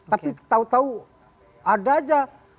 tapi tahu tahu ada aja